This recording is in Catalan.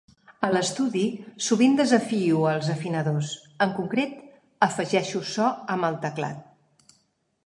A l'estudi, sovint desafio els afinadors, en concret afegeixo so amb el teclat.